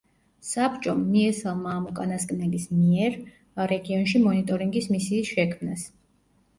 საბჭომ, მიესალმა ამ უკანასკნელის მიერ, რეგიონში მონიტორინგის მისიის შექმნას.